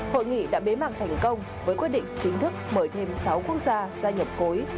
hội nghị đã bế mạng thành công với quyết định chính thức mời thêm sáu quốc gia gia nhập cối